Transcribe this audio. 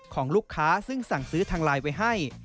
ของลูกค้าซึ่งสั่งซื้อทางไลน์ไว้ให้